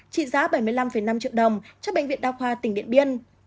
trị giá bảy mươi năm năm triệu đồng cho bệnh viện đa khoa tỉnh điện biên